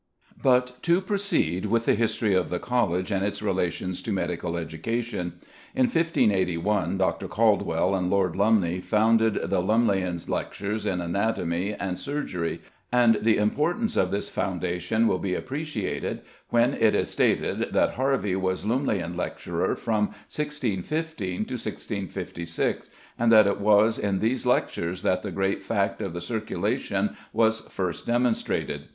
But to proceed with the history of the College and its relations to medical education. In 1581, Dr. Caldwell and Lord Lumley founded the Lumleian Lectures on Anatomy and Surgery, and the importance of this foundation will be appreciated when it is stated that Harvey was Lumleian lecturer from 1615 to 1656, and that it was in these lectures that the great fact of the circulation was first demonstrated.